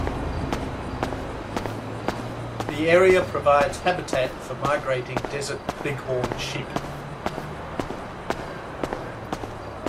The area provides habitat for migrating desert bighorn sheep.